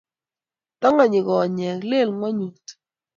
Tongonyi konyek, lel ngwonyut